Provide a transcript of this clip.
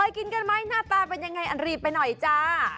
กินกันไหมหน้าตามักถูกยังไหวอันรีบไปหน่อยจ๊ะ